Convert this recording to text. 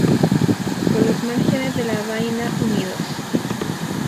Con los márgenes de la vaina unidos.